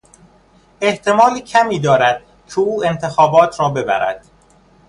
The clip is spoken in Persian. احتمال کمی دارد که او انتخابات را ببرد.